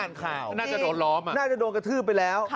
นั่นเนี่ยเคยเจอใช่มั้ย